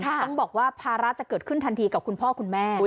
ต้องบอกว่าภาระจะเกิดขึ้นทันทีกับคุณพ่อคุณแม่